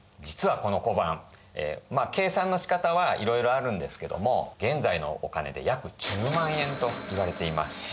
実はこの小判まあ計算のしかたはいろいろあるんですけども現在のお金で約１０万円といわれています。